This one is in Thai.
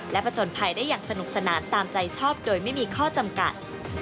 และผจญภัยได้อย่างสนุกสนานตามใจชอบโดยไม่มีข้อจำกัด